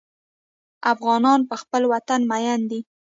افغانان په خپل وطن مین دي.